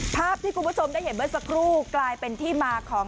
ภาพที่คุณผู้ชมได้เห็นเมื่อสักครู่กลายเป็นที่มาของ